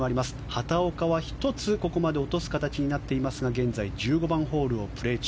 畑岡は１つ、ここまで落とす形になっていますが現在、１５番ホールをプレー中。